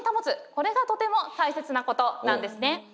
これがとても大切なことなんですね。